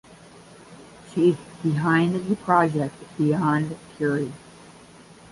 She is behind the project Beyond Curie.